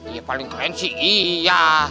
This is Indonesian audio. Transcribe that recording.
ya paling keren sih iya